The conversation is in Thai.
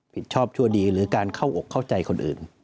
ผิดชอบชั่วดีหรือการเข้าอกเข้าใจคนอื่น